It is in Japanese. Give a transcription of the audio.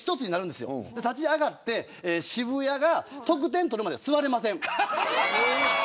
立ち上がって渋谷が得点を取るまで、座れません。